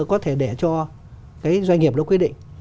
có thể để cho cái doanh nghiệp đó quyết định